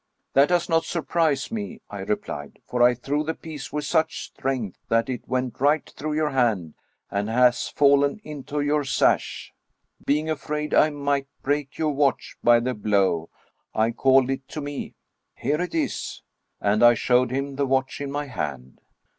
" That does not surprise me," I replied, " for I threw the piece with such strength that it went right through your hand, and has fallen into your sash. Being afraid I might break your watch by the blow, I called it to me: here it is!" And I showed him the watch in my hand.